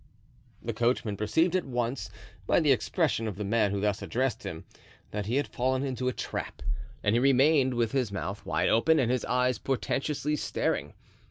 The coachman perceived at once, by the expression of the man who thus addressed him, that he had fallen into a trap, and he remained with his mouth wide open and his eyes portentously staring.